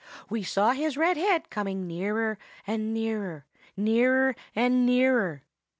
We saw his red head coming nearer and nearer, nearer and nearer.